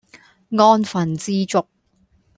安分知足